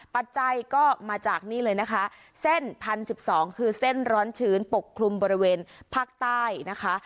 ปัจจัยก็มาจากนี่เลยนะคะเส้น๑๐๑๒คือเส้นร้อนชื้นปกคลุมบริเวณภาคใต้นะคะ